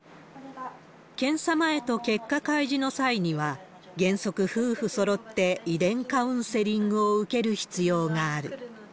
検査前と結果開示の際には、原則、夫婦そろって遺伝カウンセリングを受ける必要がある。